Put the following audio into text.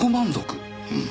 うん。